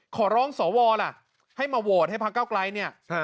ขอร้องสอวอล่ะให้มาวอร์ดให้พระเก้าไกร